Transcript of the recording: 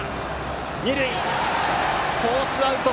二塁フォースアウト。